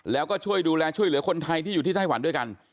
แล้วก็ช่วยดูแลช่วยเหลือคนไทยที่อยู่ที่ไต้หวันด้วยกัน